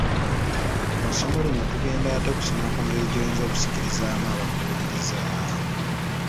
Mu ssomo lino tugenda ate kusoma ku ngeri gy’oyinza okusikirizaamu abakuwuliriza.